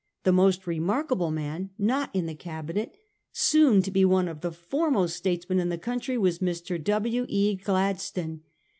The most remarkable man not in the Cabinet, soon to be one of the foremost statesmen in the country, was Mr. W. E. Gladstone.